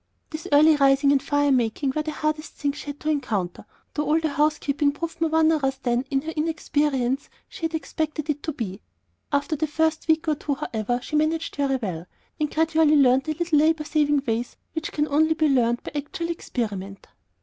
This early rising and fire making were the hardest things she had to encounter, though all the housekeeping proved more onerous than, in her inexperience, she had expected it to be. After the first week or two, however, she managed very well, and gradually learned the little labor saving ways which can only be learned by actual experiment.